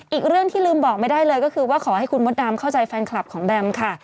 อีกเรื่องที่ลืมบอกไม่ได้เลยก็คือว่าขอให้คุณมดดำเข้าใจแฟนคลับของแบมค่ะ